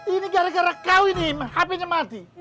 ini gara gara kau ini hp nya mati